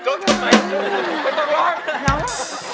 ไม่ต้องร้อง